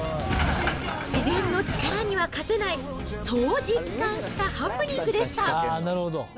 自然の力には勝てない、そう実感したハプニングでした。